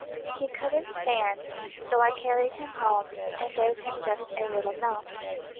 "He couldn't stand, so I carried him home and gave him just a little milk.